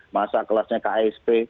masa kelasnya ksp